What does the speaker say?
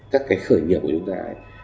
các cái khởi nghiệp của chúng ta